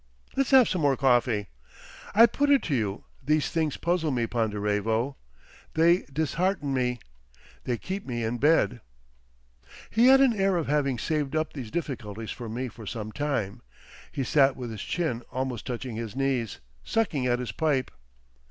Let's have some more coffee. I put it to you, these things puzzle me, Ponderevo. They dishearten me. They keep me in bed." He had an air of having saved up these difficulties for me for some time. He sat with his chin almost touching his knees, sucking at his pipe.